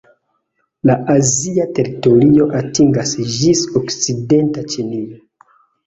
La azia teritorio atingas ĝis okcidenta Ĉinio.